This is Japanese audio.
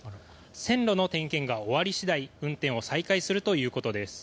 線路の点検が終わり次第運転を再開するということです。